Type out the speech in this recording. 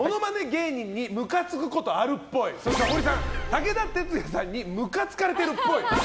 芸人にムカつくことあるっぽいホリさん、武田鉄矢さんにムカつかれてるっぽい。